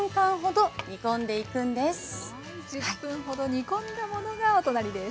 １０分ほど煮込んだものがお隣です。